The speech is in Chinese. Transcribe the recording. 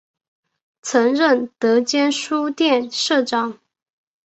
曾任德间书店社长。